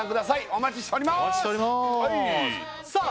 お待ちしておりますさあ